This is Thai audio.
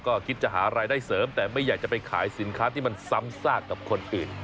ก็คิดจะหารายได้เสริมแต่ไม่อยากจะไปขายสินค้าที่มันซ้ำซากกับคนอื่น